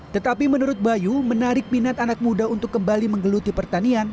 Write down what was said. tetapi menurut bayu menarik minat anak muda untuk kembali menggeluti pertanian